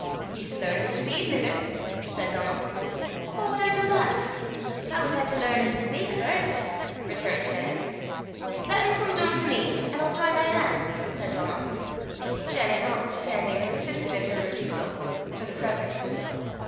"Ye sud learn him to read, mither," said Donal. "Hoo wad I du that, laddie? I wad hae to learn him to speyk first," returned Janet. "Lat him come doon to me, an' I'll try my han'," said Donal. Janet, notwithstanding, persisted in her refusal for the present.